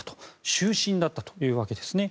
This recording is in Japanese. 終身だったというわけですね。